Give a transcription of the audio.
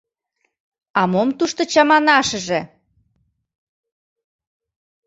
— А мом тушто чаманашыже?